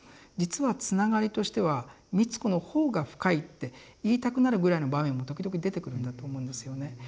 実はつながりとしては美津子の方が深いって言いたくなるぐらいの場面も時々出てくるんだと思うんですよね。